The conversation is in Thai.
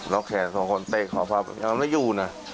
ล็อกแขน๒คนเตะขอบพระมันเอามันไม่อยู่นะ